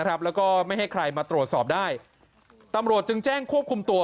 แล้วก็ไม่ให้ใครมาตรวจสอบได้ตำรวจจึงแจ้งควบคุมตัว